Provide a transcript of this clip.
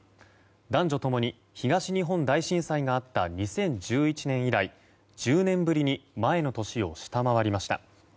男女共に、東日本大震災があった２０１１年以来１０年ぶりに前の年を下回りました。